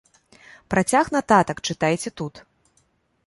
Працяг нататак чытайце тут.